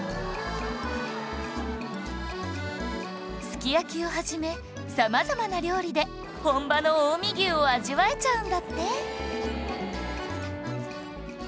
すき焼きを始め様々な料理で本場の近江牛を味わえちゃうんだって！